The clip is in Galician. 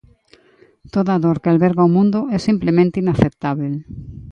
Toda a dor que alberga o mundo é simplemente inaceptábel.